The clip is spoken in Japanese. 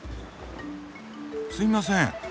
すいません。